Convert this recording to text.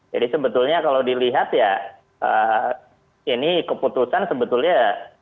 jadi sebetulnya kalau dilihat ya ini keputusan sebetulnya gambarannya kita lihat